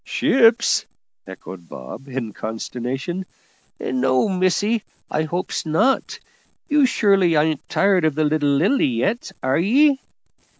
"Ships!" echoed Bob, in consternation; "no, missie, I hopes not. You surely ain't tired of the little Lily yet, are ye?"